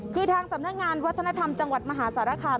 คือทางสำนักงานวัฒนธรรมจังหวัดมหาสารคาม